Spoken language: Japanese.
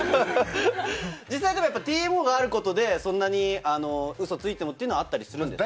実際、ＴＭＯがあることで、そんなにウソついてもというのはあったりするんですか？